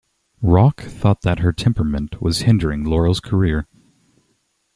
Rock thought that her temperament was hindering Laurel's career.